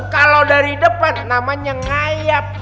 kalau dari depan namanya ngayap